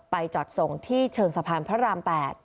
จอดส่งที่เชิงสะพานพระราม๘